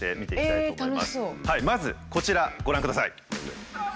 まずこちらご覧ください。